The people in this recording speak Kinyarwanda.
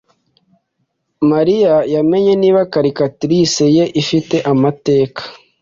Mariya yamenye niba calculatrice ye ifite amateka,